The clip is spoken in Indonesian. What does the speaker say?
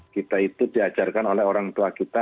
kita itu diajarkan oleh orang tua kita